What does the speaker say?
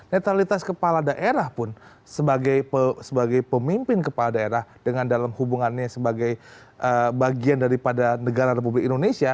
netralitas kepala daerah pun sebagai pemimpin kepala daerah dengan dalam hubungannya sebagai bagian daripada negara republik indonesia